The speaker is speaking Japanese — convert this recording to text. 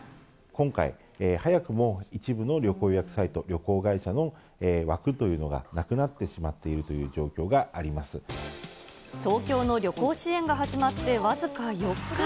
今回、早くも一部の旅行予約サイト、旅行会社の枠というのがなくなってしまっているという状況があり東京の旅行支援が始まって僅か４日。